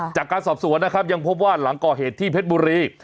จากการสอบสวนนะครับยังพบว่าหลังก่อเหตุที่เพชรบุรี